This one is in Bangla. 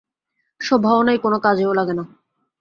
শোভাও নাই, কোনো কাজেও লাগে না।